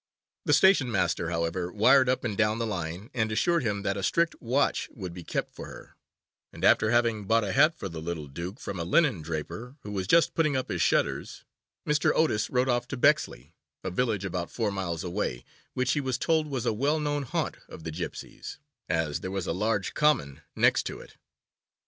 The station master, however, wired up and down the line, and assured him that a strict watch would be kept for her, and, after having bought a hat for the little Duke from a linen draper, who was just putting up his shutters, Mr. Otis rode off to Bexley, a village about four miles away, which he was told was a well known haunt of the gypsies, as there was a large common next to it.